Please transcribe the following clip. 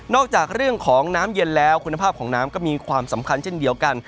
จากเรื่องของน้ำเย็นแล้วคุณภาพของน้ำก็มีความสำคัญเช่นเดียวกัน